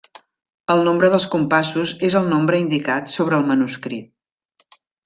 El nombre dels compassos és el nombre indicat sobre el manuscrit.